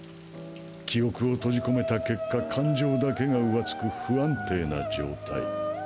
記憶を閉じ込めた結果感情だけが浮つく不安定な状態。